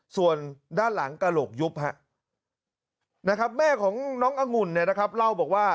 ส่วนด้านหลังกระโหลกยุบนะครับแม่ของน้ององุ่นเนี่ยนะครับเล่าบอกว่า